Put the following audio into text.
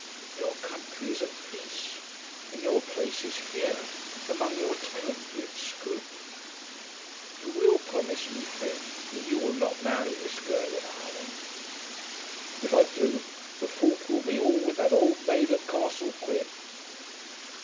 "Your country is at peace, and your place is here, among your tenantry, at Scroope. You will promise me, Fred, that you will not marry this girl in Ireland?" "If I do, the fault will be all with that old maid at Castle Quin."